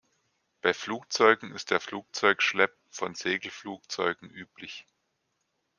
Bei Flugzeugen ist der Flugzeugschlepp von Segelflugzeugen üblich.